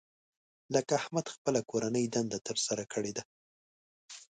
لکه احمد خپله کورنۍ دنده تر سره کړې ده.